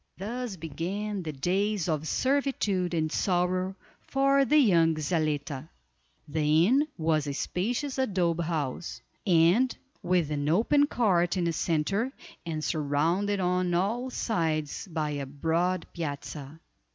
Thus began the days of servitude and sorrow for the young Zaletta. The inn was a spacious adobe house, with an open court in the center, and surrounded on all sides by a broad piazza.